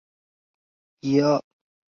原高雄驿同时改称高雄港以为区别。